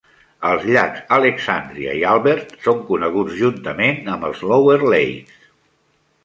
Els llacs Alexandria i Albert són coneguts juntament amb els Lower Lakes.